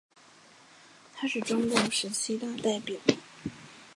他是中共十七大代表。